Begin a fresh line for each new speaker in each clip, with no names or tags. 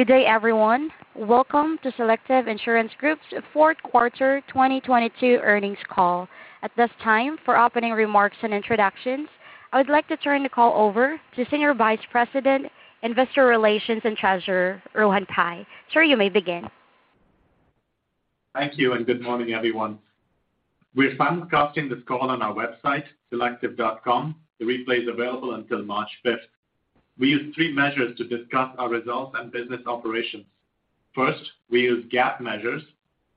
Good day, everyone. Welcome to Selective Insurance Group's fourth quarter 2022 earnings call. At this time, for opening remarks and introductions, I would like to turn the call over to Senior Vice President, Investor Relations, and Treasurer, Rohan Pai. Sir, you may begin.
Thank you, and good morning, everyone. We're broadcasting this call on our website, Selective.com. The replay is available until March fifth. We use three measures to discuss our results and business operations. First, we use GAAP measures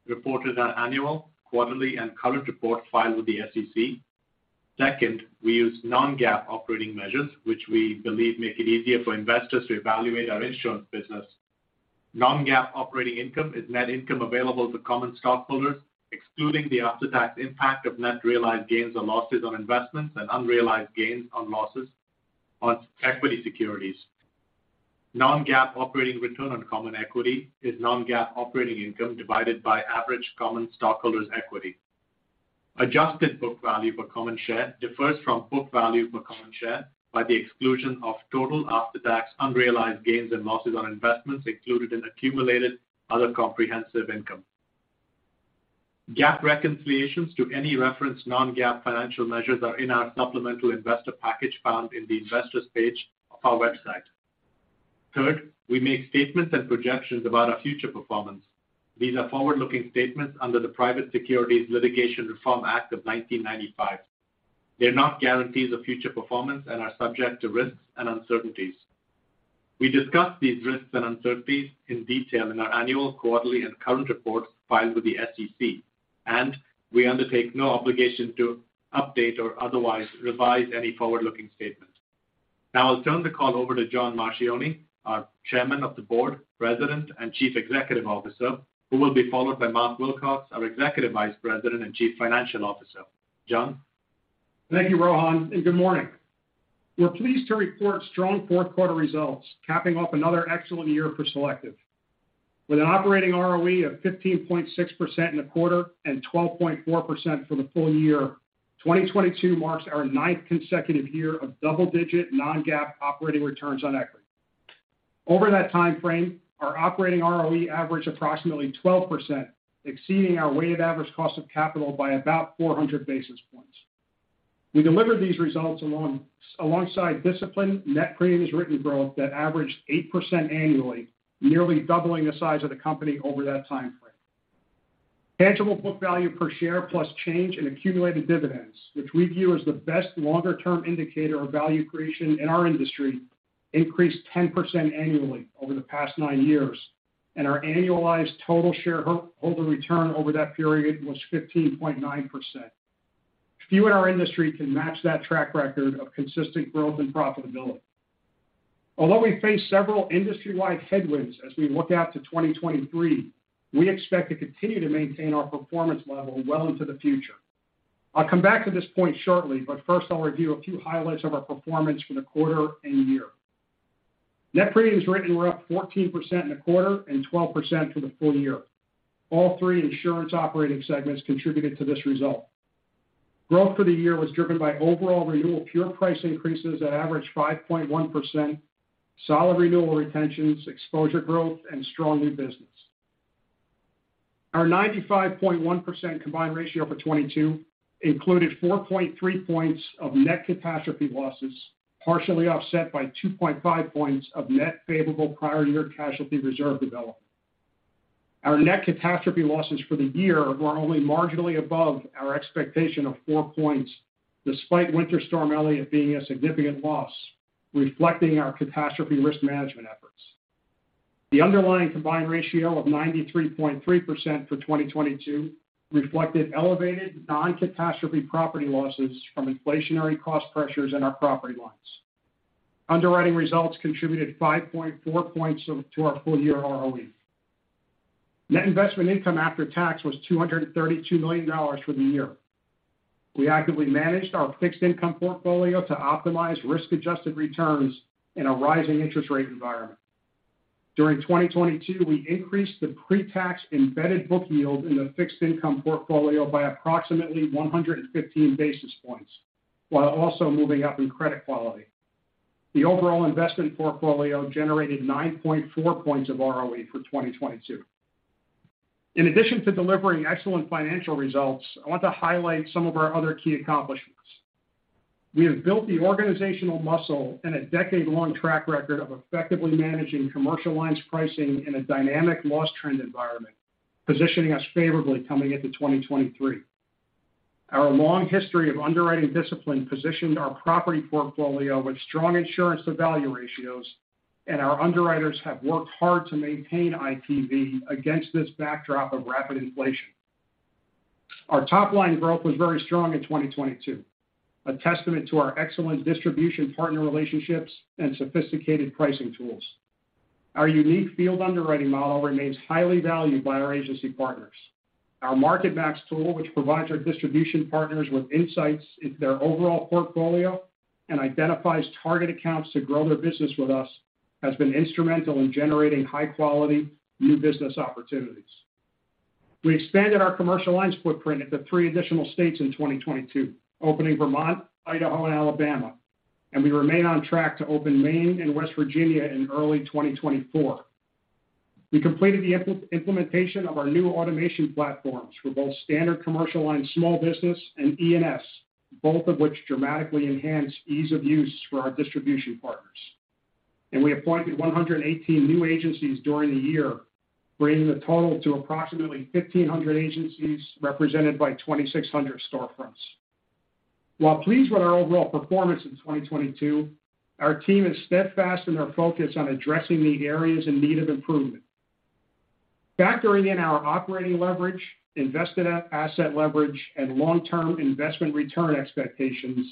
reported on annual, quarterly, and current report filed with the SEC. Second, we use non-GAAP operating measures, which we believe make it easier for investors to evaluate our insurance business. Non-GAAP operating income is net income available to common stockholders, excluding the after-tax impact of net realized gains or losses on investments and unrealized gains on losses on equity securities. Non-GAAP operating return on common equity is non-GAAP operating income divided by average common stockholders' equity. Adjusted book value per common share differs from book value per common share by the exclusion of total after-tax unrealized gains and losses on investments included in accumulated other comprehensive income. GAAP reconciliations to any referenced non-GAAP financial measures are in our supplemental investor package found in the Investors' page of our website. Third, we make statements and projections about our future performance. These are forward-looking statements under the Private Securities Litigation Reform Act of 1995. They're not guarantees of future performance and are subject to risks and uncertainties. We discuss these risks and uncertainties in detail in our annual, quarterly, and current reports filed with the SEC, and we undertake no obligation to update or otherwise revise any forward-looking statements. Now I'll turn the call over to John Marchioni, our Chairman of the Board, President, and Chief Executive Officer, who will be followed by Mark Wilcox, our Executive Vice President and Chief Financial Officer. John?
Thank you, Rohan. Good morning. We're pleased to report strong fourth quarter results, capping off another excellent year for Selective. With an operating ROE of 15.6% in the quarter and 12.4% for the full year, 2022 marks our ninth consecutive year of double-digit non-GAAP operating returns on equity. Over that timeframe, our operating ROE averaged approximately 12%, exceeding our weighted average cost of capital by about 400 basis points. We delivered these results alongside disciplined net premiums written growth that averaged 8% annually, nearly doubling the size of the company over that timeframe. Tangible book value per share plus change in accumulated dividends, which we view as the best longer-term indicator of value creation in our industry, increased 10% annually over the past 9 years, and our annualized total shareholder return over that period was 15.9%. Few in our industry can match that track record of consistent growth and profitability. Although we face several industry-wide headwinds as we look out to 2023, we expect to continue to maintain our performance level well into the future. I'll come back to this point shortly, but first I'll review a few highlights of our performance for the quarter and year. Net premiums written were up 14% in the quarter and 12% for the full year. All 3 insurance operating segments contributed to this result. Growth for the year was driven by overall renewal pure price increases that averaged 5.1%, solid renewal retentions, exposure growth, and strong new business. Our 95.1% combined ratio for 2022 included 4.3 points of net catastrophe losses, partially offset by 2.5 points of net favorable prior year casualty reserve development. Our net catastrophe losses for the year were only marginally above our expectation of 4 points, despite Winter Storm Elliott being a significant loss, reflecting our catastrophe risk management efforts. The underlying combined ratio of 93.3% for 2022 reflected elevated non-catastrophe property losses from inflationary cost pressures in our property lines. Underwriting results contributed 5.4 points to our full-year ROE. Net investment income after tax was $232 million for the year. We actively managed our fixed income portfolio to optimize risk-adjusted returns in a rising interest rate environment. During 2022, we increased the pre-tax embedded book yield in the fixed income portfolio by approximately 115 basis points, while also moving up in credit quality. The overall investment portfolio generated 9.4 points of ROE for 2022. In addition to delivering excellent financial results, I want to highlight some of our other key accomplishments. We have built the organizational muscle and a decade-long track record of effectively managing commercial lines pricing in a dynamic loss trend environment, positioning us favorably coming into 2023. Our long history of underwriting discipline positioned our property portfolio with strong insurance to value ratios, and our underwriters have worked hard to maintain ITV against this backdrop of rapid inflation. Our top-line growth was very strong in 2022, a testament to our excellent distribution partner relationships and sophisticated pricing tools. Our unique field underwriting model remains highly valued by our agency partners. Our MarketMax tool, which provides our distribution partners with insights into their overall portfolio and identifies target accounts to grow their business with us, has been instrumental in generating high-quality new business opportunities. We expanded our commercial lines footprint into three additional states in 2022, opening Vermont, Idaho, and Alabama. We remain on track to open Maine and West Virginia in early 2024. We completed the implementation of our new automation platforms for both standard commercial lines small business and E&S, both of which dramatically enhance ease of use for our distribution partners. We appointed 118 new agencies during the year, bringing the total to approximately 1,500 agencies represented by 2,600 storefronts. While pleased with our overall performance in 2022, our team is steadfast in their focus on addressing the areas in need of improvement. Factoring in our operating leverage, invested asset leverage, and long-term investment return expectations,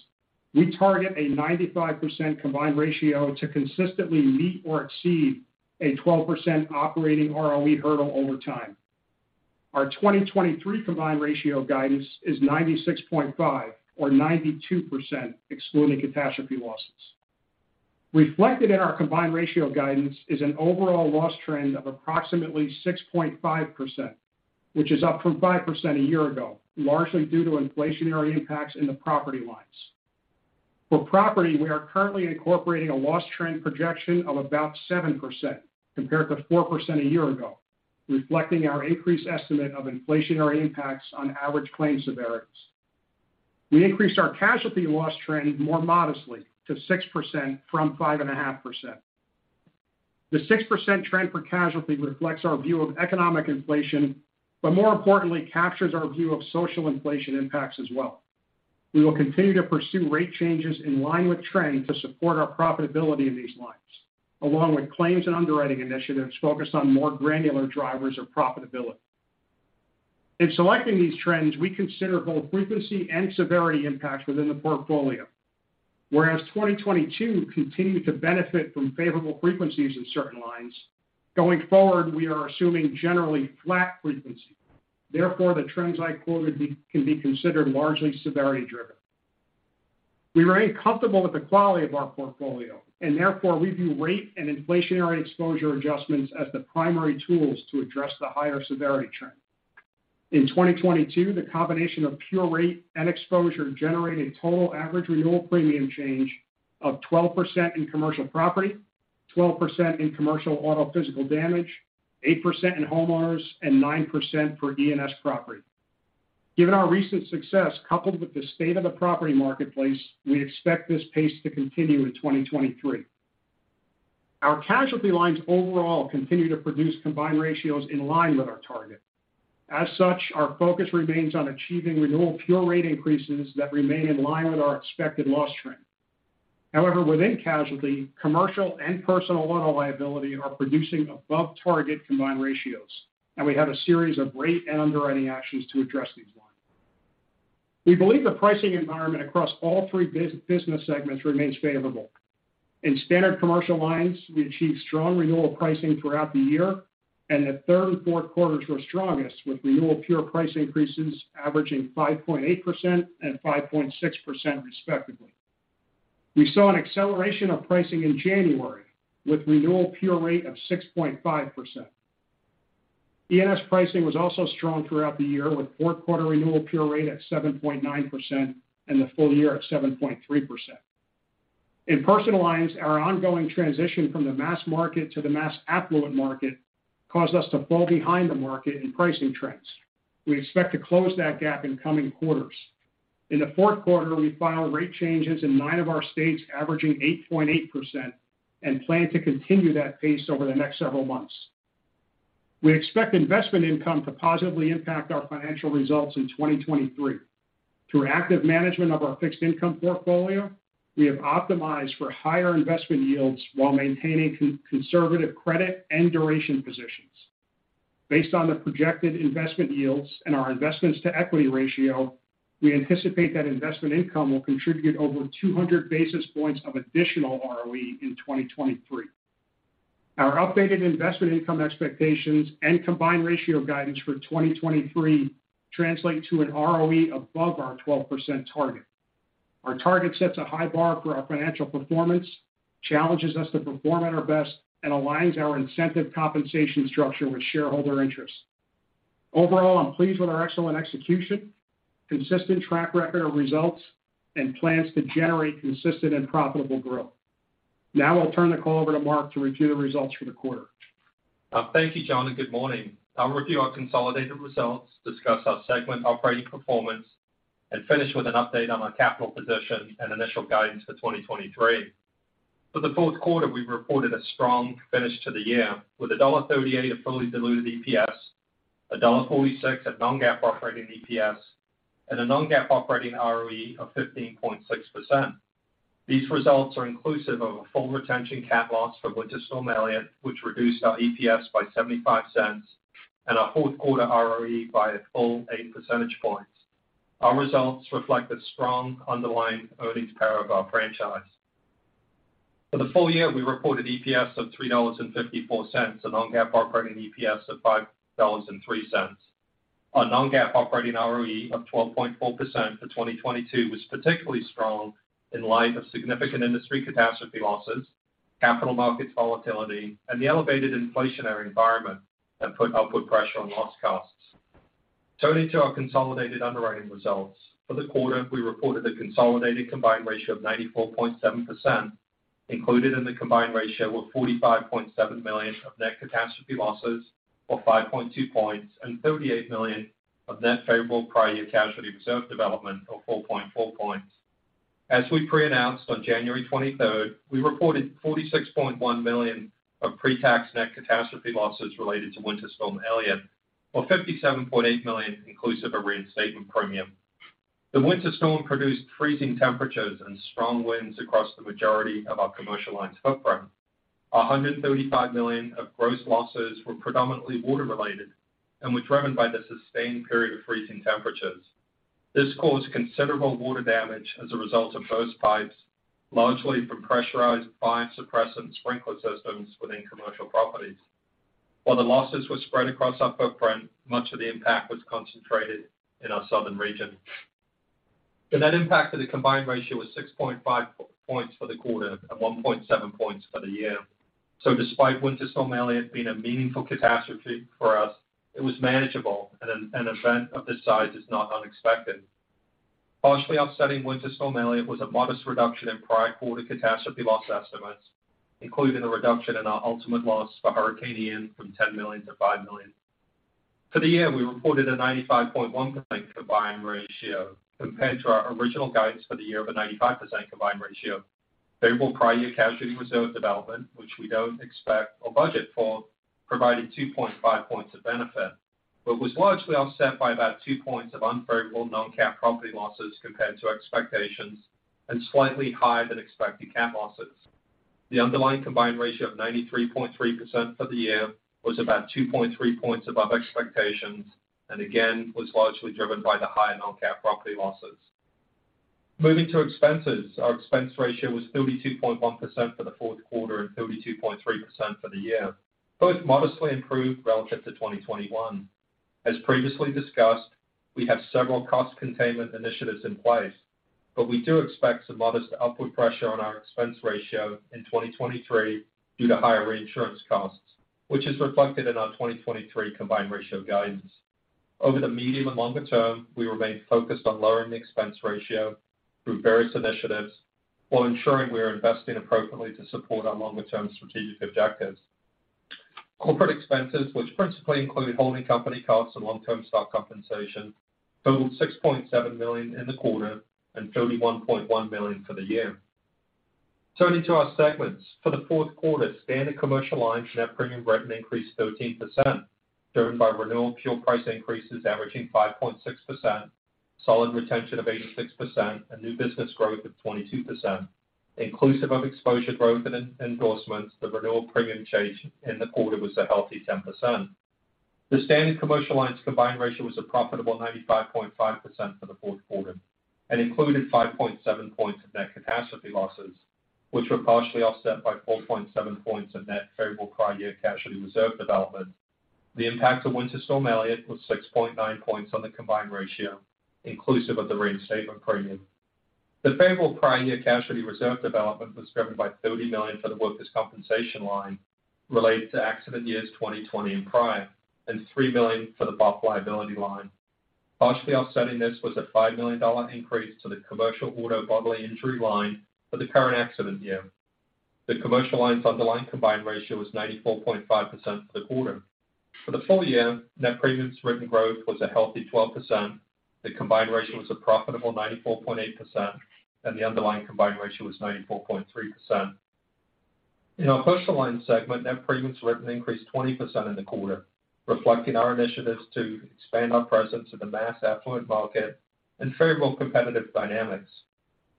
we target a 95% combined ratio to consistently meet or exceed a 12% operating ROE hurdle over time. Our 2023 combined ratio guidance is 96.5% or 92%, excluding catastrophe losses. Reflected in our combined ratio guidance is an overall loss trend of approximately 6.5%, which is up from 5% a year ago, largely due to inflationary impacts in the property lines. For property, we are currently incorporating a loss trend projection of about 7% compared to 4% a year ago, reflecting our increased estimate of inflationary impacts on average claim severities. We increased our casualty loss trend more modestly to 6% from 5.5%. The 6% trend for casualty reflects our view of economic inflation, but more importantly, captures our view of social inflation impacts as well. We will continue to pursue rate changes in line with trend to support our profitability in these lines, along with claims and underwriting initiatives focused on more granular drivers of profitability. In selecting these trends, we consider both frequency and severity impacts within the portfolio. Whereas 2022 continued to benefit from favorable frequencies in certain lines, going forward, we are assuming generally flat frequency. Therefore, the trends I quoted can be considered largely severity-driven. We remain comfortable with the quality of our portfolio, therefore we view rate and inflationary exposure adjustments as the primary tools to address the higher severity trend. In 2022, the combination of pure rate and exposure generated total average renewal premium change of 12% in commercial property, 12% in commercial auto physical damage, 8% in homeowners, and 9% for E&S property. Given our recent success, coupled with the state of the property marketplace, we expect this pace to continue in 2023. Our casualty lines overall continue to produce combined ratios in line with our target. As such, our focus remains on achieving renewal pure rate increases that remain in line with our expected loss trend. However, within casualty, commercial and personal auto liability are producing above target combined ratios, and we have a series of rate and underwriting actions to address these lines. We believe the pricing environment across all three business segments remains favorable. In standard commercial lines, we achieved strong renewal pricing throughout the year, the third and fourth quarters were strongest, with renewal pure price increases averaging 5.8% and 5.6% respectively. We saw an acceleration of pricing in January with renewal pure rate of 6.5%. E&S pricing was also strong throughout the year, with fourth quarter renewal pure rate at 7.9% and the full year at 7.3%. In personal lines, our ongoing transition from the mass market to the mass affluent market caused us to fall behind the market in pricing trends. We expect to close that gap in coming quarters. In the fourth quarter, we filed rate changes in nine of our states, averaging 8.8%, and plan to continue that pace over the next several months. We expect investment income to positively impact our financial results in 2023. Through active management of our fixed income portfolio, we have optimized for higher investment yields while maintaining conservative credit and duration positions. Based on the projected investment yields and our investments to equity ratio, we anticipate that investment income will contribute over 200 basis points of additional ROE in 2023. Our updated investment income expectations and combined ratio guidance for 2023 translate to an ROE above our 12% target. Our target sets a high bar for our financial performance, challenges us to perform at our best, and aligns our incentive compensation structure with shareholder interests. Overall, I'm pleased with our excellent execution, consistent track record of results, and plans to generate consistent and profitable growth. I'll turn the call over to Mark to review the results for the quarter.
Thank you, John, and good morning. I'll review our consolidated results, discuss our segment operating performance, and finish with an update on our capital position and initial guidance for 2023. For the fourth quarter, we reported a strong finish to the year with $1.38 of fully diluted EPS, $1.46 of non-GAAP operating EPS, and a non-GAAP operating ROE of 15.6%. These results are inclusive of a full retention cat loss for Winter Storm Elliott, which reduced our EPS by $0.75 and our fourth quarter ROE by a full 8 percentage points. Our results reflect the strong underlying earnings power of our franchise. For the full year, we reported EPS of $3.54 and non-GAAP operating EPS of $5.03. Our non-GAAP operating ROE of 12.4% for 2022 was particularly strong in light of significant industry catastrophe losses. Capital markets volatility and the elevated inflationary environment have put upward pressure on loss costs. Turning to our consolidated underwriting results. For the quarter, we reported a consolidated combined ratio of 94.7% included in the combined ratio of $45.7 million of net catastrophe losses, or 5.2 points, and $38 million of net favorable prior year casualty reserve development of 4.4 points. As we pre-announced on January 23rd, we reported $46.1 million of pre-tax net catastrophe losses related to Winter Storm Elliott, or $57.8 million inclusive of reinstatement premium. The Winter Storm produced freezing temperatures and strong winds across the majority of our commercial lines footprint. $135 million of gross losses were predominantly water-related and were driven by the sustained period of freezing temperatures. This caused considerable water damage as a result of burst pipes, largely from pressurized fire suppressant sprinkler systems within commercial properties. While the losses were spread across our footprint, much of the impact was concentrated in our southern region. The net impact of the combined ratio was 6.5 points for the quarter and 1.7 points for the year. Despite Winter Storm Elliott being a meaningful catastrophe for us, it was manageable, and an event of this size is not unexpected. Partially offsetting Winter Storm Elliott was a modest reduction in prior quarter catastrophe loss estimates, including a reduction in our ultimate loss for Hurricane Ian from $10 million to $5 million. For the year, we reported a 95.1% combined ratio compared to our original guidance for the year of a 95% combined ratio. Favorable prior year casualty reserve development, which we don't expect or budget for, provided 2.5 points of benefit, but was largely offset by about 2 points of unfavorable non-CAT property losses compared to expectations and slightly higher than expected CAT losses. The underlying combined ratio of 93.3% for the year was about 2.3 points above expectations and again was largely driven by the higher non-CAT property losses. Moving to expenses. Our expense ratio was 32.1% for the fourth quarter and 32.3% for the year, both modestly improved relative to 2021. As previously discussed, we have several cost containment initiatives in place, but we do expect some modest upward pressure on our expense ratio in 2023 due to higher reinsurance costs, which is reflected in our 2023 combined ratio guidance. Over the medium and longer term, we remain focused on lowering the expense ratio through various initiatives while ensuring we are investing appropriately to support our longer term strategic objectives. Corporate expenses, which principally include holding company costs and long-term stock compensation, totaled $6.7 million in the quarter and $31.1 million for the year. Turning to our segments. For the fourth quarter, standard commercial lines net premium written increased 13%, driven by renewal pure price increases averaging 5.6%, solid retention of 86%, and new business growth of 22%. Inclusive of exposure growth and endorsements, the renewal premium change in the quarter was a healthy 10%. The standard commercial lines combined ratio was a profitable 95.5% for the fourth quarter and included 5.7 points of net catastrophe losses, which were partially offset by 4.7 points of net favorable prior year casualty reserve development. The impact of Winter Storm Elliott was 6.9 points on the combined ratio inclusive of the reinstatement premium. The favorable prior year casualty reserve development was driven by $30 million for the workers compensation line related to accident years 2020 and prior, and $3 million for the BOP liability line. Partially offsetting this was a $5 million increase to the commercial auto bodily injury line for the current accident year. The commercial lines underlying combined ratio was 94.5% for the quarter. For the full year, net premiums written growth was a healthy 12%. The combined ratio was a profitable 94.8%, and the underlying combined ratio was 94.3%. In our personal lines segment, net premiums written increased 20% in the quarter, reflecting our initiatives to expand our presence in the mass affluent market and favorable competitive dynamics.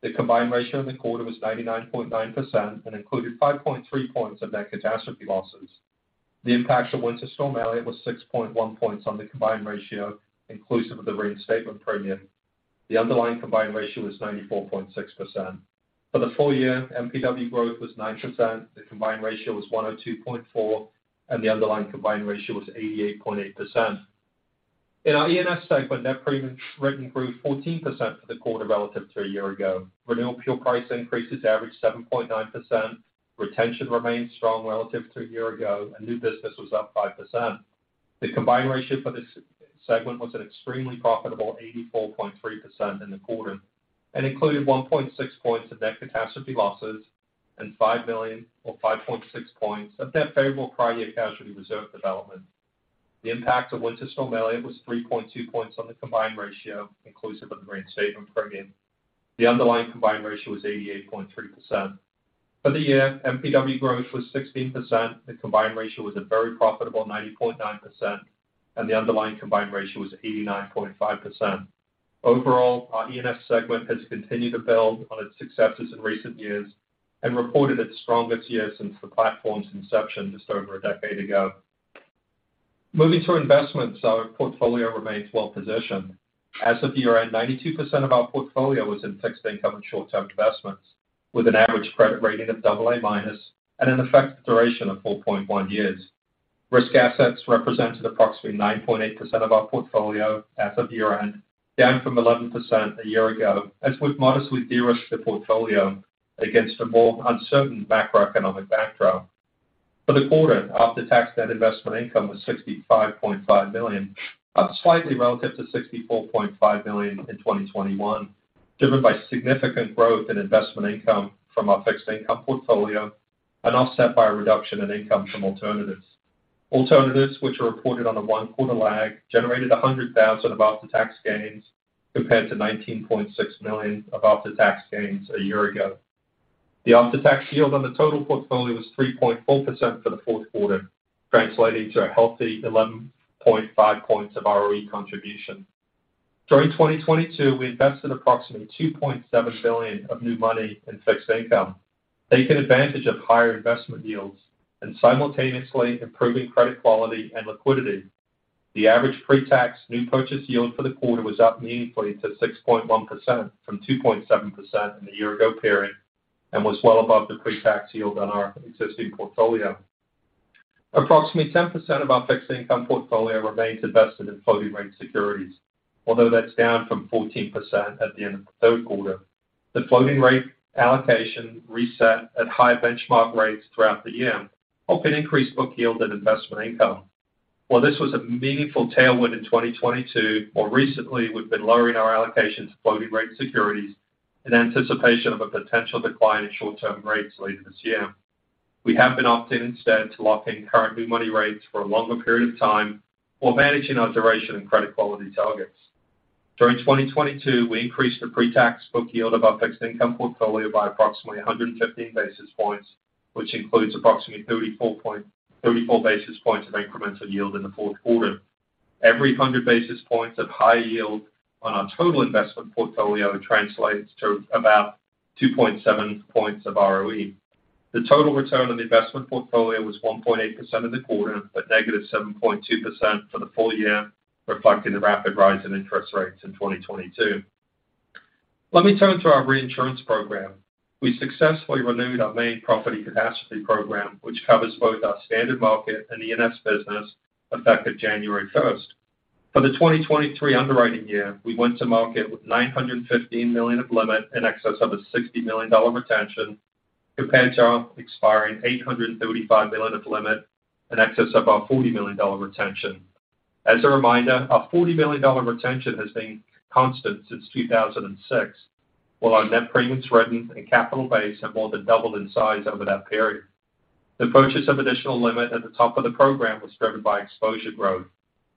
The combined ratio in the quarter was 99.9% and included 5.3 points of net catastrophe losses. The impact of Winter Storm Elliott was 6.1 points on the combined ratio inclusive of the reinstatement premium. The underlying combined ratio was 94.6%. For the full year, MPW growth was 9%, the combined ratio was 102.4%, and the underlying combined ratio was 88.8%. In our E&S segment, net premiums written grew 14% for the quarter relative to a year ago. Renewal pure price increases averaged 7.9%. Retention remained strong relative to a year ago, and new business was up 5%. The combined ratio for this segment was an extremely profitable 84.3% in the quarter and included 1.6 points of net catastrophe losses and $5 million or 5.6 points of net favorable prior year casualty reserve development. The impact of Winter Storm Elliott was 3.2 points on the combined ratio inclusive of the reinstatement premium. The underlying combined ratio was 88.3%. For the year, MPW growth was 16%. The combined ratio was a very profitable 94.9%, and the underlying combined ratio was 89.5%. Overall, our E&S segment has continued to build on its successes in recent years and reported its strongest year since the platform's inception just over a decade ago. Moving to investments. Our portfolio remains well positioned. As of year-end, 92% of our portfolio was in fixed income and short-term investments with an average credit rating of AA- and an effect duration of 4.1 years. Risk assets represented approximately 9.8% of our portfolio as of year-end, down from 11% a year ago, as we've modestly de-risked the portfolio against a more uncertain macroeconomic backdrop. For the quarter, after-tax net investment income was $65.5 million, up slightly relative to $64.5 million in 2021, driven by significant growth in investment income from our fixed income portfolio and offset by a reduction in income from alternatives. Alternatives, which are reported on a one quarter lag, generated $100,000 of after-tax gains compared to $19.6 million of after-tax gains a year ago. The after-tax yield on the total portfolio was 3.4% for the fourth quarter, translating to a healthy 11.5 points of ROE contribution. During 2022, we invested approximately $2.7 billion of new money in fixed income, taking advantage of higher investment yields and simultaneously improving credit quality and liquidity. The average pre-tax new purchase yield for the quarter was up meaningfully to 6.1% from 2.7% in the year ago period, and was well above the pre-tax yield on our existing portfolio. Approximately 10% of our fixed income portfolio remains invested in floating rate securities, although that's down from 14% at the end of the third quarter. The floating rate allocation reset at higher benchmark rates throughout the year, helping increase book yield and investment income. While this was a meaningful tailwind in 2022, more recently, we've been lowering our allocations to floating rate securities in anticipation of a potential decline in short-term rates later this year. We have been opting instead to lock in current new money rates for a longer period of time while managing our duration and credit quality targets. During 2022, we increased the pre-tax book yield of our fixed income portfolio by approximately 115 basis points, which includes approximately 34 basis points of incremental yield in the fourth quarter. Every 100 basis points of high yield on our total investment portfolio translates to about 2.7 points of ROE. The total return on the investment portfolio was 1.8% in the quarter, negative 7.2% for the full year, reflecting the rapid rise in interest rates in 2022. Let me turn to our reinsurance program. We successfully renewed our main property catastrophe program, which covers both our standard market and the ENS business effective January 1st. For the 2023 underwriting year, we went to market with $915 million of limit in excess of a $60 million retention compared to our expiring $835 million of limit in excess of our $40 million retention. As a reminder, our $40 million retention has been constant since 2006, while our net premiums written and capital base have more than doubled in size over that period. The purchase of additional limit at the top of the program was driven by exposure growth.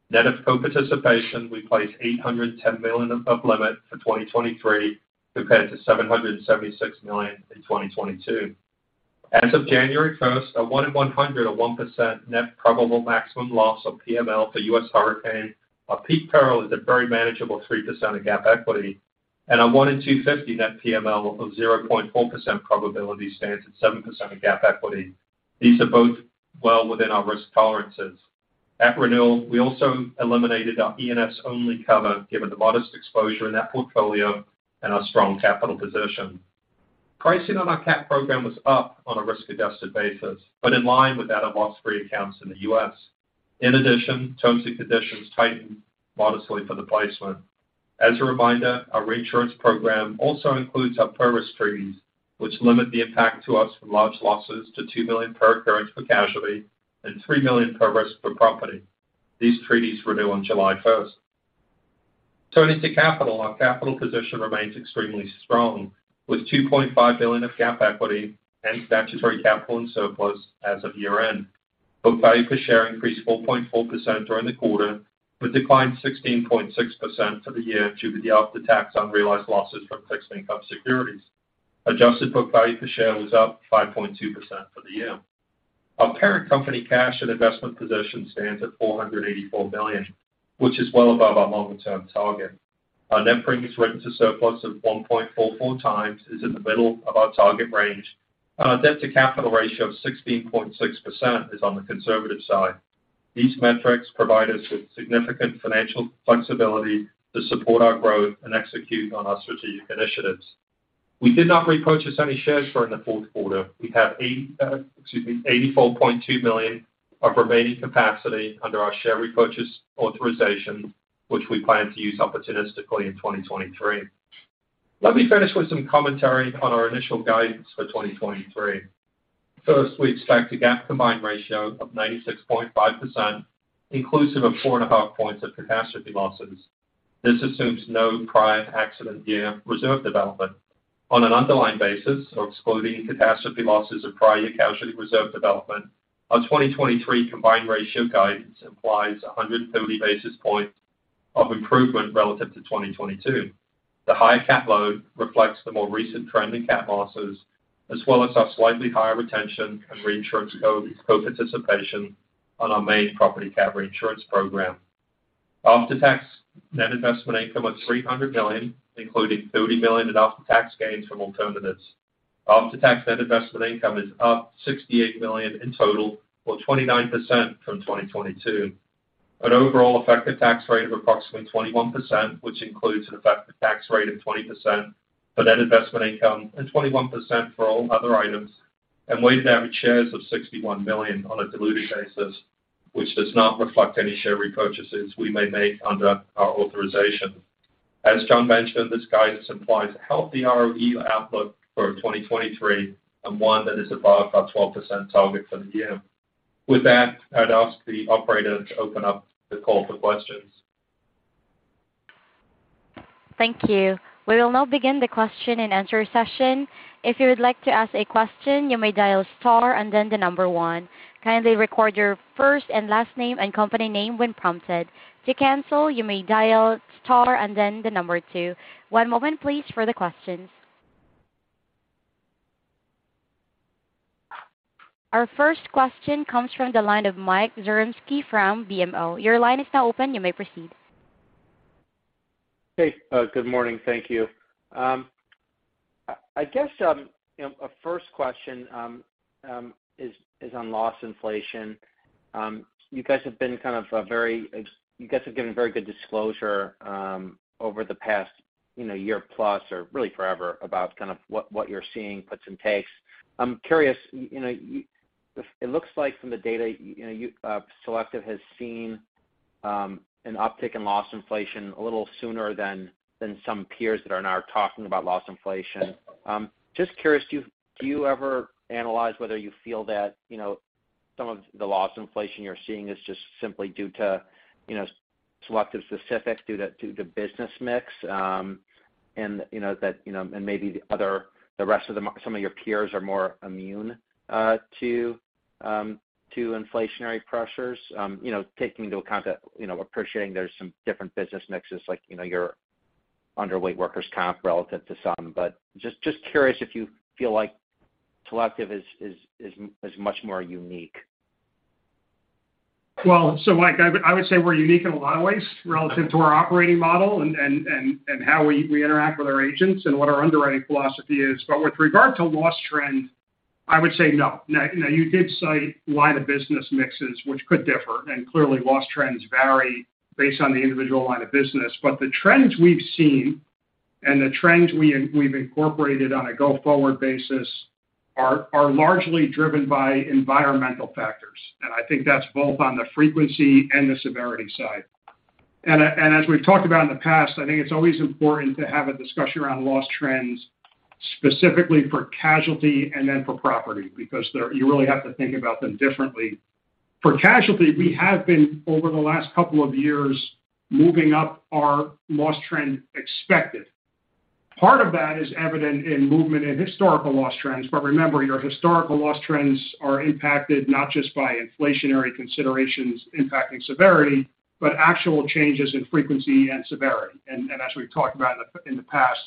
Net of co-participation, we placed $810 million of limit for 2023 compared to $776 million in 2022. As of January 1, a 1-in-100 (1%) net probable maximum loss (PML) for US hurricane, our peak peril is a very manageable 3% of GAAP equity, and a 1 in 250 net PML of 0.4% probability stands at 7% of GAAP equity. These are both well within our risk tolerances. At renewal, we also eliminated our E&S-only cover given the modest exposure in that portfolio and our strong capital position. Pricing on our cat program was up on a risk-adjusted basis, in line with that of loss free accounts in the US. Terms and conditions tightened modestly for the placement. As a reminder, our reinsurance program also includes our per risk treaties, which limit the impact to us from large losses to $2 million per occurrence for casualty and $3 million per risk for property. These treaties renew on July 1. Turning to capital, our capital position remains extremely strong, with $2.5 billion of GAAP equity and statutory capital and surplus as of year-end. Book value per share increased 4.4% during the quarter, declined 16.6% for the year due to the after-tax unrealized losses from fixed income securities. Adjusted book value per share was up 5.2% for the year. Our parent company cash and investment position stands at $484 million, which is well above our long-term target. Our net premiums written to surplus of 1.44x is in the middle of our target range, and our debt to capital ratio of 16.6% is on the conservative side. These metrics provide us with significant financial flexibility to support our growth and execute on our strategic initiatives. We did not repurchase any shares during the fourth quarter. We have 84.2 million of remaining capacity under our share repurchase authorization, which we plan to use opportunistically in 2023. Let me finish with some commentary on our initial guidance for 2023. First, we expect a GAAP combined ratio of 96.5%, inclusive of 4.5 points of catastrophe losses. This assumes no prior accident year reserve development. On an underlying basis, so excluding catastrophe losses of prior year casualty reserve development, our 2023 combined ratio guidance implies 130 basis points of improvement relative to 2022. The higher cat load reflects the more recent trend in cat losses as well as our slightly higher retention and reinsurance co-participation on our main property cat reinsurance program. After-tax net investment income of $300 million, including $30 million in after-tax gains from alternatives. After-tax net investment income is up $68 million in total, or 29% from 2022. An overall effective tax rate of approximately 21%, which includes an effective tax rate of 20% for net investment income and 21% for all other items. Weighted average shares of 61 million on a diluted basis, which does not reflect any share repurchases we may make under our authorization. As John mentioned, this guidance implies a healthy ROE outlook for 2023 and one that is above our 12% target for the year. With that, I'd ask the operator to open up the call for questions.
Thank you. We will now begin the question and answer session. If you would like to ask a question, you may dial star 1. Kindly record your first and last name and company name when prompted. To cancel, you may dial star 2. One moment please for the questions. Our first question comes from the line of Michael Zaremski from BMO. Your line is now open. You may proceed.
Hey, good morning. Thank you. I guess, you know, a first question is on loss inflation. You guys have given very good disclosure, over the past, you know, 1 year plus or really forever about kind of what you're seeing puts and takes. I'm curious, you know, It looks like from the data, you know, Selective has seen an uptick in loss inflation a little sooner than some peers that are now talking about loss inflation. Just curious, do you ever analyze whether you feel that, you know, some of the loss inflation you're seeing is just simply due to, you know, Selective specifics due to business mix, and you know that, you know, and maybe the other, the rest of some of your peers are more immune to inflationary pressures? You know, taking into account that, you know, appreciating there's some different business mixes like, you know, your underweight workers' comp relative to some. Just curious if you feel like Selective is much more unique?
Mike, I would say we're unique in a lot of ways relative to our operating model and how we interact with our agents and what our underwriting philosophy is. With regard to loss trends, I would say no. You did cite line of business mixes, which could differ, and clearly loss trends vary based on the individual line of business. The trends we've seen and the trends we've incorporated on a go-forward basis are largely driven by environmental factors. I think that's both on the frequency and the severity side. As we've talked about in the past, I think it's always important to have a discussion around loss trends, specifically for casualty and then for property, because you really have to think about them differently. For casualty, we have been, over the last couple of years, moving up our loss trend expected. Part of that is evident in movement in historical loss trends. Remember, your historical loss trends are impacted not just by inflationary considerations impacting severity, but actual changes in frequency and severity. As we've talked about in the past,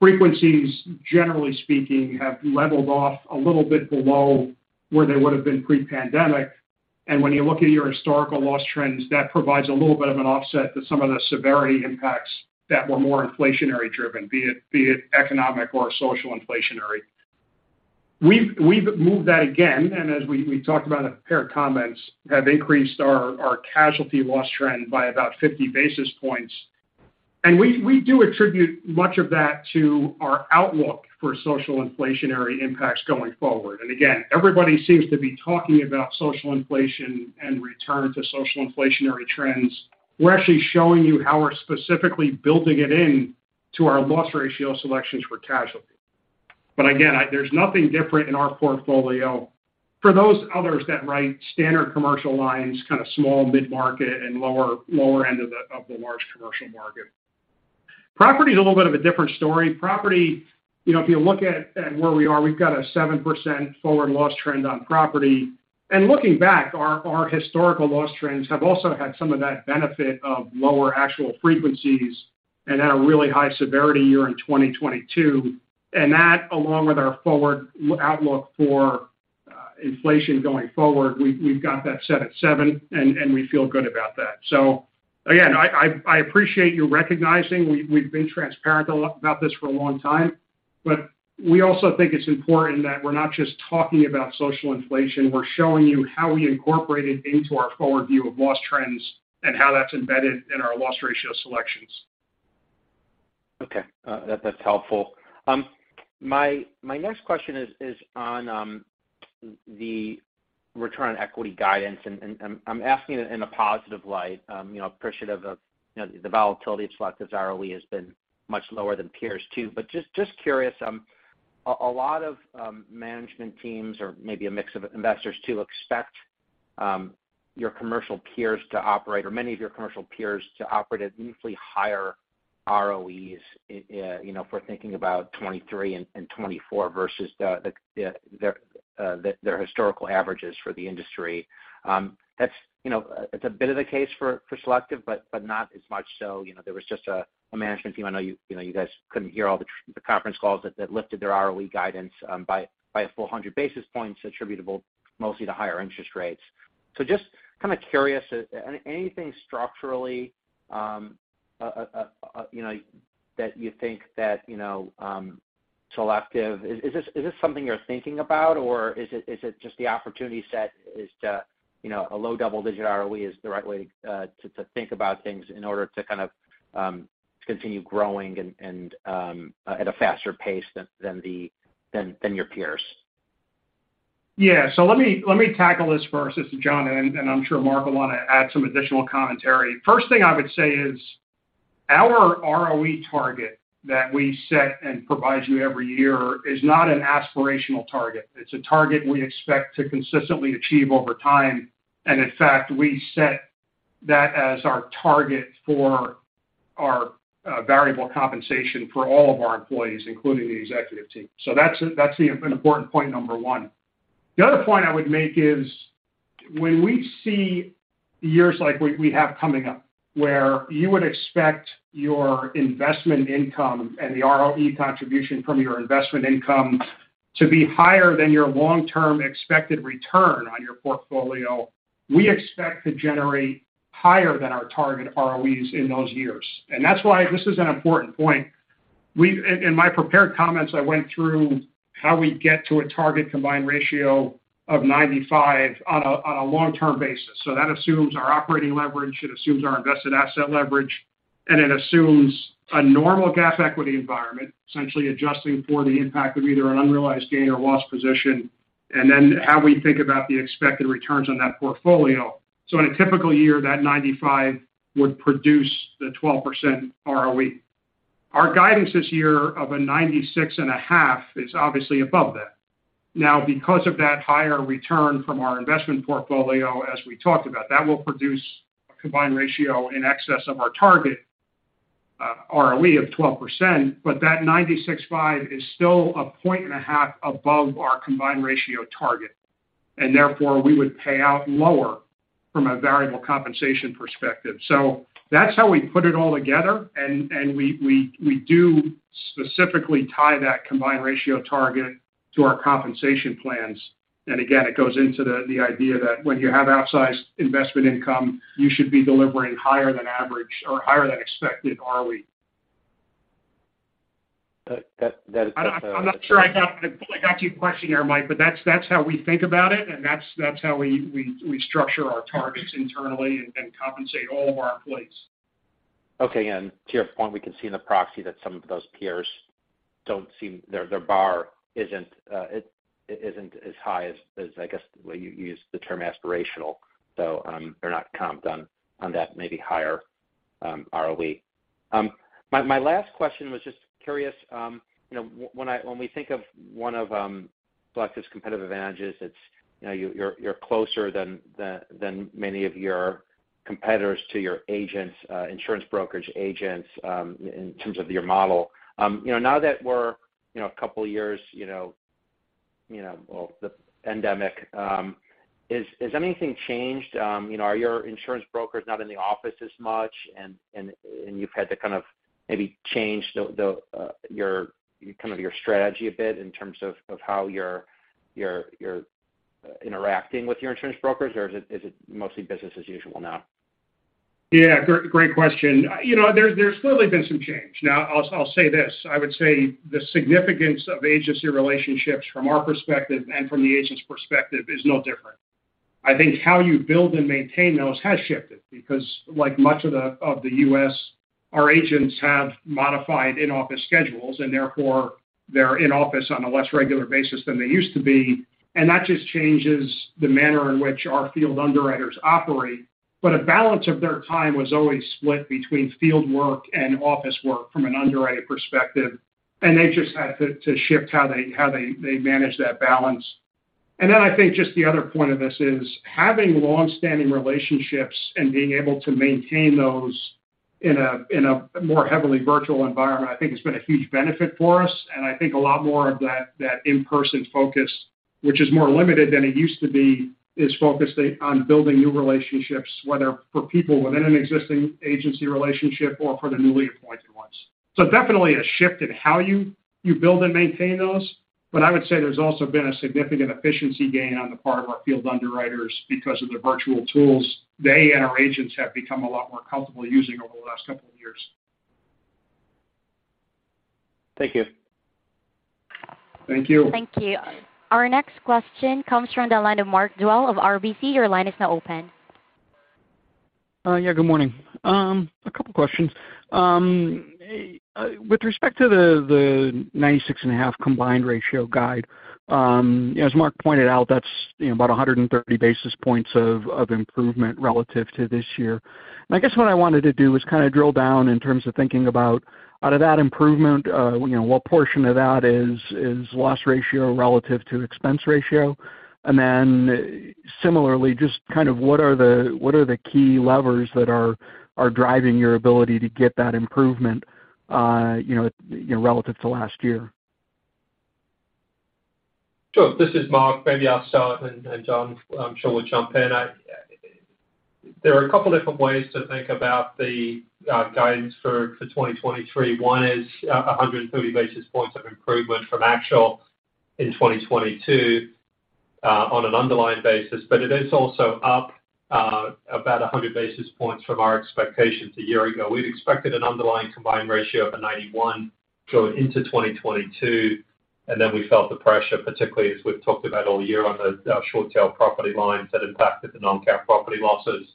frequencies, generally speaking, have leveled off a little bit below where they would have been pre-pandemic. When you look at your historical loss trends, that provides a little bit of an offset to some of the severity impacts that were more inflationary driven, be it economic or social inflationary. We've moved that again, and as we talked about a pair of comments, have increased our casualty loss trend by about 50 basis points. We do attribute much of that to our outlook for social inflationary impacts going forward. Again, everybody seems to be talking about social inflation and return to social inflationary trends. We're actually showing you how we're specifically building it into our loss ratio selections for casualty. Again, there's nothing different in our portfolio for those others that write standard commercial lines, kind of small mid-market and lower end of the large commercial market. Property is a little bit of a different story. Property, you know, if you look at where we are, we've got a 7% forward loss trend on property. Looking back, our historical loss trends have also had some of that benefit of lower actual frequencies and had a really high severity year in 2022. That, along with our forward outlook for inflation going forward, we've got that set at 7, and we feel good about that. Again, I appreciate you recognizing we've been transparent a lot about this for a long time. We also think it's important that we're not just talking about social inflation, we're showing you how we incorporate it into our forward view of loss trends and how that's embedded in our loss ratio selections.
Okay. That's helpful. My next question is on the return on equity guidance, and I'm asking it in a positive light, you know, appreciative of, you know, the volatility of Selective's ROE has been much lower than peers too. Just curious, a lot of management teams or maybe a mix of investors too expect your commercial peers to operate or many of your commercial peers to operate at usually higher ROEs, you know, if we're thinking about 2023 and 2024 versus the their historical averages for the industry. That's, you know, it's a bit of the case for Selective, but not as much so. You know, there was just a management team I know you know, you guys couldn't hear all the conference calls that lifted their ROE guidance by a full 100 basis points attributable mostly to higher interest rates. Just kind of curious, anything structurally, you know, that you think that, you know, Selective, is this something you're thinking about or is it just the opportunity set is to, you know, a low double-digit ROE is the right way to think about things in order to kind of continue growing and at a faster pace than your peers?
Yeah. Let me tackle this first. This is John, and I'm sure Mark will wanna add some additional commentary. First thing I would say is our ROE target that we set and provide you every year is not an aspirational target. It's a target we expect to consistently achieve over time. In fact, we set that as our target for our variable compensation for all of our employees, including the executive team. That's an important point number 1. The other point I would make is when we see years like we have coming up, where you would expect your investment income and the ROE contribution from your investment income to be higher than your long-term expected return on your portfolio, we expect to generate higher than our target ROEs in those years. That's why this is an important point. In my prepared comments, I went through how we get to a target combined ratio of 95 on a long-term basis. That assumes our operating leverage, it assumes our invested asset leverage, and it assumes a normal GAAP equity environment, essentially adjusting for the impact of either an unrealized gain or loss position, and then how we think about the expected returns on that portfolio. In a typical year, that 95 would produce the 12% ROE. Our guidance this year of a 96.5 is obviously above that. Because of that higher return from our investment portfolio, as we talked about, that will produce a combined ratio in excess of our target ROE of 12%. That 96.5 is still 1.5 points above our combined ratio target, and therefore we would pay out lower from a variable compensation perspective. That's how we put it all together. We do specifically tie that combined ratio target to our compensation plans. Again, it goes into the idea that when you have outsized investment income, you should be delivering higher than average or higher than expected ROE.
That.
I'm not sure I got your question there, Mike, but that's how we think about it, and that's how we structure our targets internally and compensate all of our employees.
Okay. To your point, we can see in the proxy that some of those peers don't seem... Their bar isn't as high as I guess you used the term aspirational, so, they're not comped on that maybe higher ROE. My last question was just curious, you know, when we think of one of Selective's competitive advantages, it's, you know, you're closer than many of your competitors to your agents, insurance brokerage agents, in terms of your model. You know, now that we're, you know, a couple of years, you know, you know, well, the pandemic, has anything changed? you know, are your insurance brokers not in the office as much and you've had to kind of maybe change kind of your strategy a bit in terms of how you're interacting with your insurance brokers, or is it mostly business as usual now?
Yeah, great question. You know, there's clearly been some change. I'll say this, I would say the significance of agency relationships from our perspective and from the agent's perspective is no different. I think how you build and maintain those has shifted because like much of the U.S., our agents have modified in-office schedules, and therefore they're in office on a less regular basis than they used to be. That just changes the manner in which our field underwriters operate. A balance of their time was always split between field work and office work from an underwriting perspective, and they just had to shift how they manage that balance. I think just the other point of this is having long-standing relationships and being able to maintain those in a more heavily virtual environment, I think has been a huge benefit for us. I think a lot more of that in-person focus, which is more limited than it used to be, is focused on building new relationships, whether for people within an existing agency relationship or for the newly appointed ones. Definitely a shift in how you build and maintain those. I would say there's also been a significant efficiency gain on the part of our field underwriters because of the virtual tools they and our agents have become a lot more comfortable using over the last couple of years.
Thank you.
Thank you.
Thank you. Our next question comes from the line of Mark Dwelle of RBC. Your line is now open.
Yeah, good morning. A couple questions. With respect to the 96.5 combined ratio guide, as Mark pointed out, that's, you know, about 130 basis points of improvement relative to this year. I guess what I wanted to do was kind of drill down in terms of thinking about out of that improvement, what portion of that is loss ratio relative to expense ratio? Then similarly, just kind of what are the key levers that are driving your ability to get that improvement, you know, relative to last year?
Sure. This is Mark Wilcox. Maybe I'll start, and John J. Marchioni, I'm sure will jump in. There are a couple different ways to think about the guidance for 2023. One is 130 basis points of improvement from actual in 2022 on an underlying basis, but it is also up about 100 basis points from our expectations a year ago. We'd expected an underlying combined ratio of 91 going into 2022. We felt the pressure, particularly as we've talked about all year on the short tail property lines that impacted the non-cap property losses.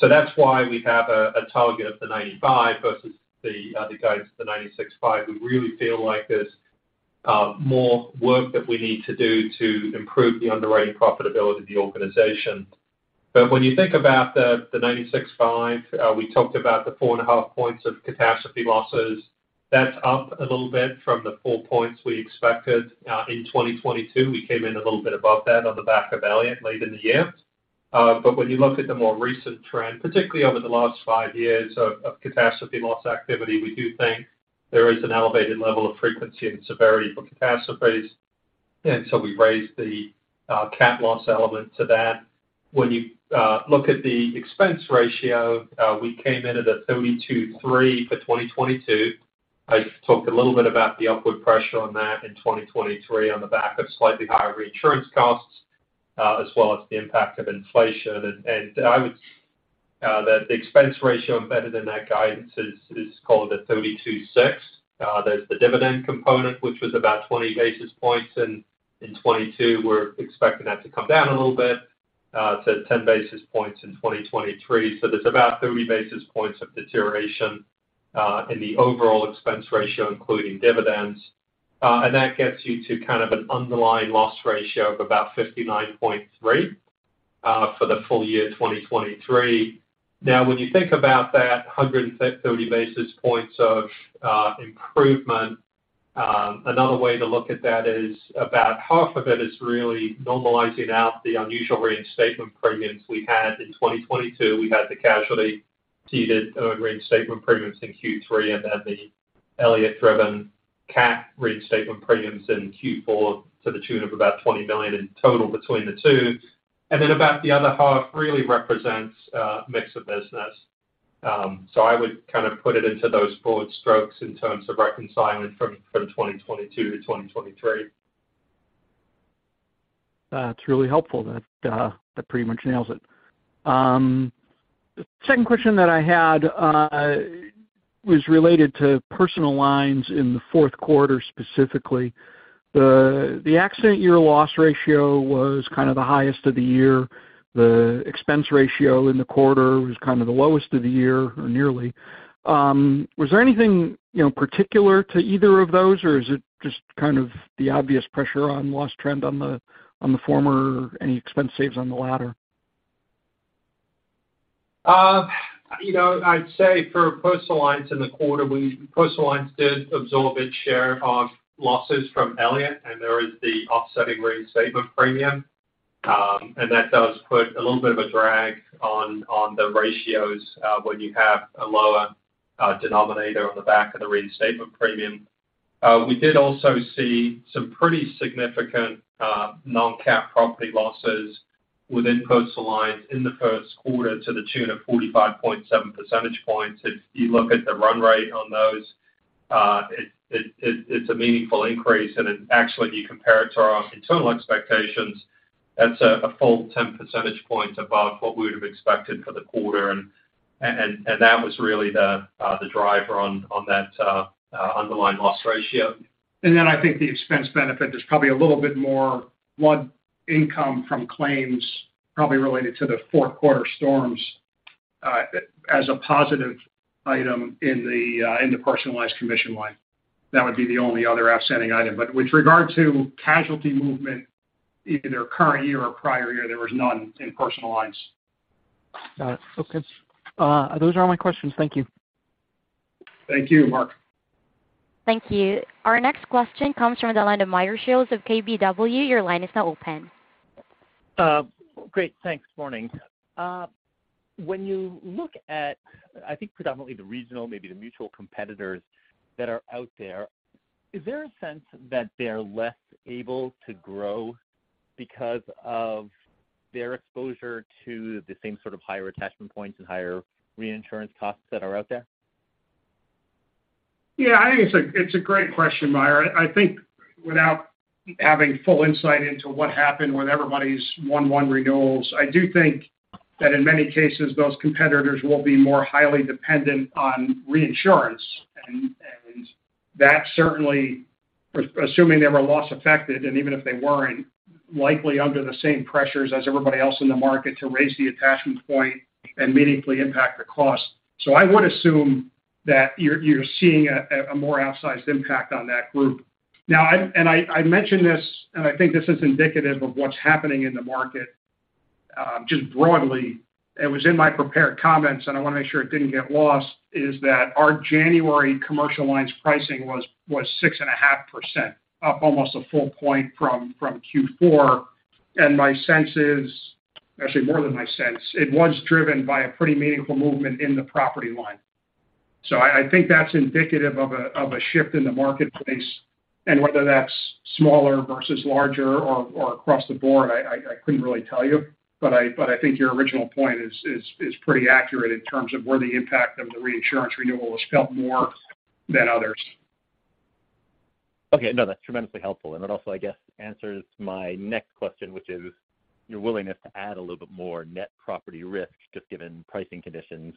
That's why we have a target of 95 versus the guidance of 96.5. We really feel like there's more work that we need to do to improve the underwriting profitability of the organization. When you think about the 96.5%, we talked about the 4.5 points of catastrophe losses. That's up a little bit from the 4 points we expected, in 2022. We came in a little bit above that on the back of Elliott late in the year. When you look at the more recent trend, particularly over the last five years of catastrophe loss activity, we do think there is an elevated level of frequency and severity for catastrophes. We raised the, cat loss element to that. When you, look at the expense ratio, we came in at a 32.3% for 2022. I talked a little bit about the upward pressure on that in 2023 on the back of slightly higher reinsurance costs, as well as the impact of inflation. That the expense ratio embedded in that guidance is called a 32.6. There's the dividend component, which was about 20 basis points in 2022. We're expecting that to come down a little bit to 10 basis points in 2023. There's about 30 basis points of deterioration in the overall expense ratio, including dividends. That gets you to kind of an underlying loss ratio of about 59.3 for the full year 2023. When you think about that 130 basis points of improvement, another way to look at that is about half of it is really normalizing out the unusual reinstatement premiums we had in 2022. We had the casualty ceded reinstatement premiums in Q3, then the Elliott-driven cat reinstatement premiums in Q4 to the tune of about $20 million in total between the two. The other half really represents a mix of business. I would kind of put it into those broad strokes in terms of reconciling from 2022 to 2023.
That's really helpful. That pretty much nails it. The second question that I had was related to personal lines in the fourth quarter specifically. The accident year loss ratio was kind of the highest of the year. The expense ratio in the quarter was kind of the lowest of the year or nearly. Was there anything, you know, particular to either of those, or is it just kind of the obvious pressure on loss trend on the former, any expense saves on the latter?
for personal lines in the quarter, personal lines did absorb its share of losses from Elliott, and there is the offsetting reinstatement premium. That does put a little bit of a drag on the ratios when you have a lower denominator on the back of the reinstatement premium. We did also see some pretty significant non-GAAP property losses within personal lines in the first quarter to the tune of 45.7 percentage points. If you look at the run rate on those, it's a meaningful increase. And if actually you compare it to our internal expectations, that's a full 10 percentage points above what we would have expected for the quarter. And that was really the driver on that underlying loss ratio
I think the expense benefit is probably a little bit more income from claims probably related to the fourth quarter storms, as a positive item in the personalized commission line. That would be the only other offsetting item. With regard to casualty movement, either current year or prior year, there was none in personal lines.
Got it. Okay. Those are all my questions. Thank you.
Thank you, Mark.
Thank you. Our next question comes from the line of Meyer Shields of KBW. Your line is now open.
Great. Thanks. Morning. When you look at, I think predominantly the regional, maybe the mutual competitors that are out there, is there a sense that they're less able to grow because of their exposure to the same sort of higher attachment points and higher reinsurance costs that are out there?
Yeah, I think it's a great question, Meyer. I think without having full insight into what happened with everybody's 1/1 renewals, I do think that in many cases, those competitors will be more highly dependent on reinsurance. That certainly, assuming they were loss affected, and even if they weren't, likely under the same pressures as everybody else in the market to raise the attachment point and meaningfully impact the cost. I would assume that you're seeing a more outsized impact on that group. I mentioned this, and I think this is indicative of what's happening in the market, just broadly. It was in my prepared comments, and I want to make sure it didn't get lost, is that our January commercial lines pricing was 6.5%, up almost a full point from Q4. My sense is, actually more than my sense, it was driven by a pretty meaningful movement in the property line. I think that's indicative of a shift in the marketplace. Whether that's smaller versus larger or across the board, I couldn't really tell you. I think your original point is pretty accurate in terms of where the impact of the reinsurance renewal was felt more than others.
Okay. No, that's tremendously helpful. It also, I guess, answers my next question, which is your willingness to add a little bit more net property risk just given pricing conditions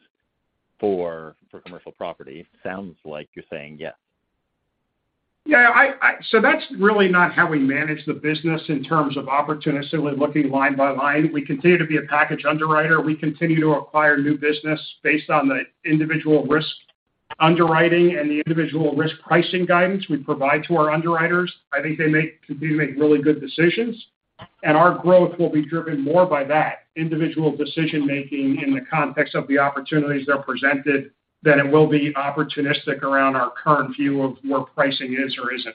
for commercial property. Sounds like you're saying yes.
Yeah, I. That's really not how we manage the business in terms of opportunistically looking line by line. We continue to be a package underwriter. We continue to acquire new business based on the individual risk underwriting and the individual risk pricing guidance we provide to our underwriters. I think we make really good decisions. Our growth will be driven more by that individual decision-making in the context of the opportunities they're presented than it will be opportunistic around our current view of where pricing is or isn't.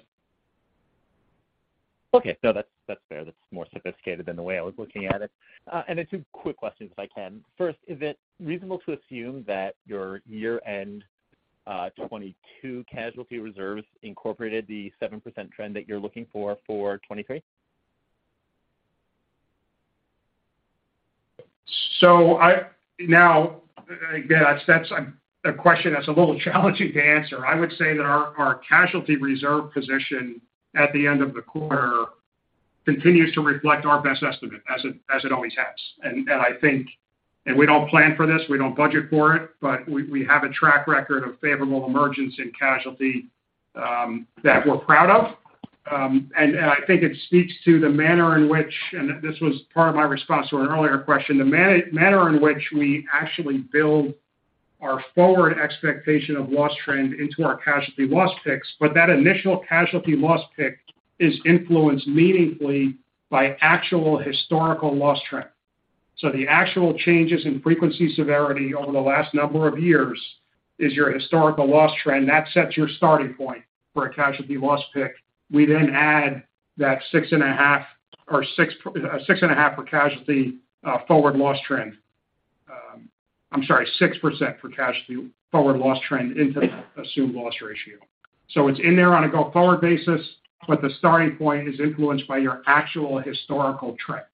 Okay. No, that's fair. That's more sophisticated than the way I was looking at it. Then two quick questions, if I can. First, is it reasonable to assume that your year-end 2022 casualty reserves incorporated the 7% trend that you're looking for 2023?
Now, again, that's a question that's a little challenging to answer. I would say that our casualty reserve position at the end of the quarter continues to reflect our best estimate, as it always has. I think we don't plan for this, we don't budget for it, but we have a track record of favorable emergence in casualty that we're proud of. And I think it speaks to the manner in which, and this was part of my response to an earlier question, the manner in which we actually build our forward expectation of loss trend into our casualty loss picks. That initial casualty loss pick is influenced meaningfully by actual historical loss trend. The actual changes in frequency severity over the last number of years is your historical loss trend. That sets your starting point for a casualty loss pick. We then add that 6.5 for casualty forward loss trend. I'm sorry, 6% for casualty forward loss trend into the assumed loss ratio. It's in there on a go-forward basis, but the starting point is influenced by your actual historical trend.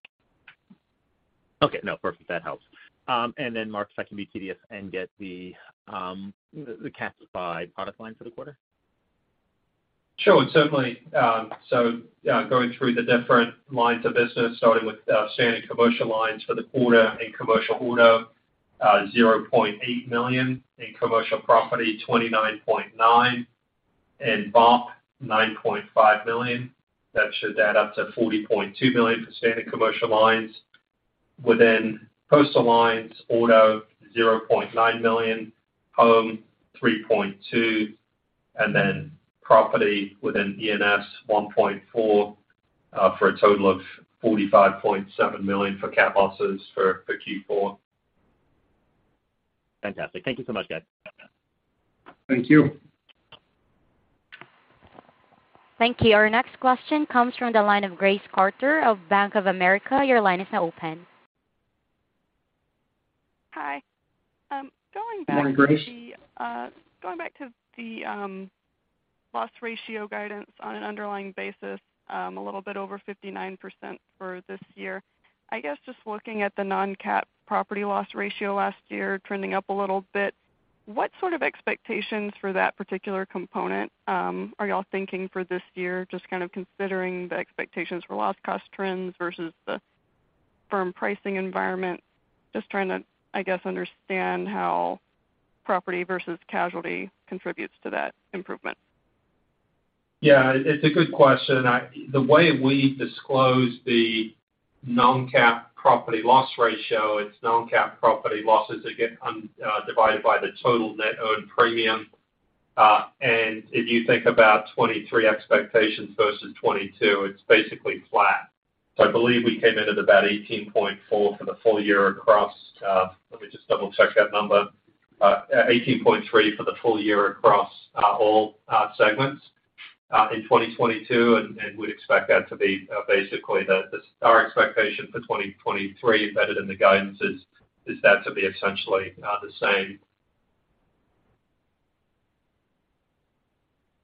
Okay. No, perfect. That helps. Mark, if I can be tedious and get the cat by product line for the quarter?
Sure. Certainly, going through the different lines of business, starting with, standard commercial lines for the quarter in commercial auto, $0.8 million. In commercial property, $29.9 million. In BOP, $9.5 million. That should add up to $40.2 million for standard commercial lines. Within personal lines, auto, $0.9 million. Home, $3.2 million. Property within ENS, $1.4 million, for a total of $45.7 million for cat losses for Q4.
Fantastic. Thank you so much, guys.
Thank you.
Thank you. Our next question comes from the line of Grace Carter of Bank of America. Your line is now open.
Hi. going back to.
Good morning, Grace.
Going back to the loss ratio guidance on an underlying basis, a little bit over 59% for this year. I guess just looking at the non-cat property loss ratio last year trending up a little bit, what sort of expectations for that particular component are y'all thinking for this year? Just kind of considering the expectations for loss cost trends versus the firm pricing environment. Just trying to, I guess, understand how property versus casualty contributes to that improvement.
Yeah, it's a good question. The way we disclose the non-cat property loss ratio, it's non-cat property losses again, divided by the total net owned premium. If you think about 2023 expectations versus 2022, it's basically flat. I believe we came in at about 18.4 for the full year across, let me just double-check that number. 18.3 for the full year across all segments in 2022, and we'd expect that to be basically Our expectation for 2023 embedded in the guidance is that to be essentially the same.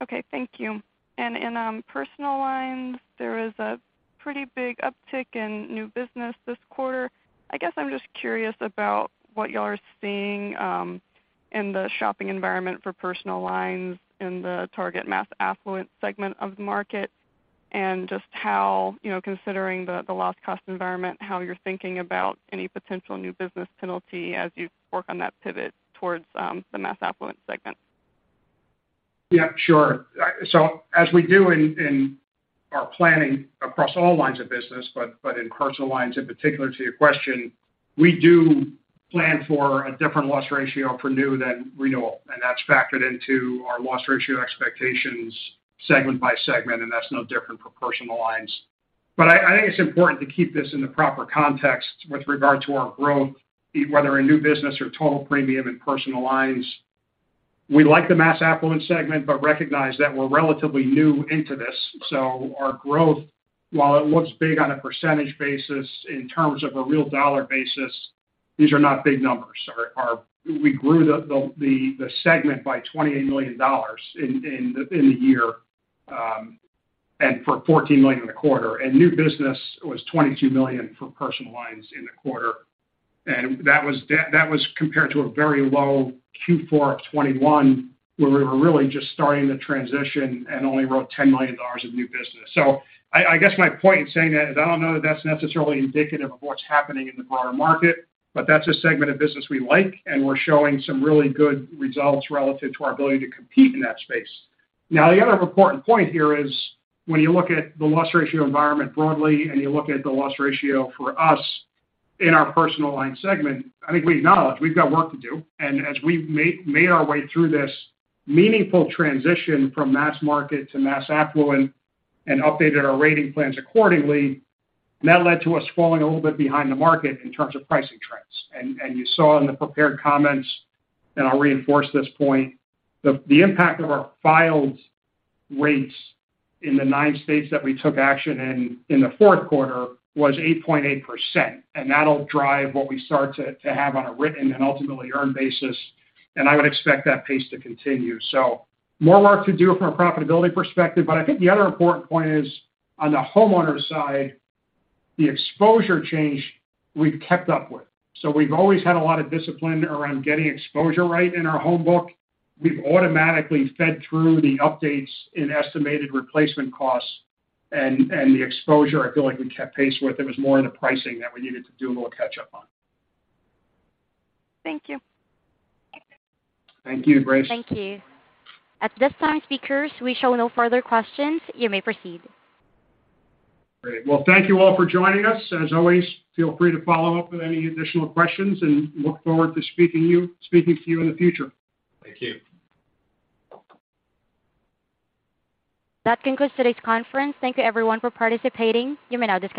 Okay. Thank you. In personal lines, there was a pretty big uptick in new business this quarter. I guess I'm just curious about what y'all are seeing in the shopping environment for personal lines in the target mass affluent segment of the market. Just how, you know, considering the loss cost environment, how you're thinking about any potential new business penalty as you work on that pivot towards the mass affluent segment.
Yeah, sure. As we do in our planning across all lines of business, but in personal lines in particular to your question, we do plan for a different loss ratio for new than renewal, and that's factored into our loss ratio expectations segment by segment, and that's no different for personal lines. I think it's important to keep this in the proper context with regard to our growth, whether in new business or total premium in personal lines. We like the mass affluent segment, but recognize that we're relatively new into this. Our growth, while it looks big on a percentage basis, in terms of a real dollar basis, these are not big numbers. We grew the segment by $28 million in a year, for $14 million in the quarter. New business was $22 million for personal lines in the quarter. That was compared to a very low Q4 of 2021, where we were really just starting the transition and only wrote $10 million of new business. I guess my point in saying that is I don't know that that's necessarily indicative of what's happening in the broader market, but that's a segment of business we like, and we're showing some really good results relative to our ability to compete in that space. The other important point here is when you look at the loss ratio environment broadly and you look at the loss ratio for us in our personal line segment, I think we acknowledge we've got work to do. As we've made our way through this meaningful transition from mass market to mass affluent and updated our rating plans accordingly, that led to us falling a little bit behind the market in terms of pricing trends. You saw in the prepared comments, and I'll reinforce this point, the impact of our filed rates in the nine states that we took action in the fourth quarter was 8.8%, and that'll drive what we start to have on a written and ultimately earned basis. I would expect that pace to continue. More work to do from a profitability perspective. I think the other important point is on the homeowner side, the exposure change we've kept up with. We've always had a lot of discipline around getting exposure right in our home book. We've automatically fed through the updates in estimated replacement costs and the exposure I feel like we kept pace with. It was more in the pricing that we needed to do a little catch-up on.
Thank you.
Thank you, Grace.
Thank you. At this time, speakers, we show no further questions. You may proceed.
Great. Well, thank you all for joining us. As always, feel free to follow up with any additional questions and look forward to speaking to you in the future.
Thank you.
That concludes today's conference. Thank you everyone for participating. You may now disconnect.